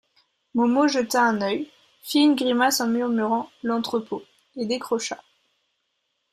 Momo jeta un œil, fit une grimace en murmurant « l’entrepôt » et décrocha.